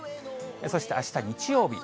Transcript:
そしてあした日曜日。